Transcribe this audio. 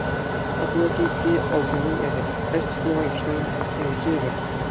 ئاتا نەسىھەتى ئالتۇندىن ئېغىر، ئەستە تۇتمىغان كىشىنىڭ سۆڭگىچى يېغىر.